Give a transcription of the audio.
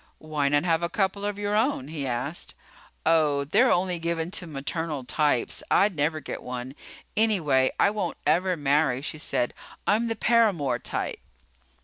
"Why not have a couple of your own?" he asked. "Oh, they're only given to maternal types. I'd never get one. Anyway, I won't ever marry," she said. "I'm the paramour type."